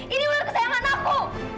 ini ular kesayangan aku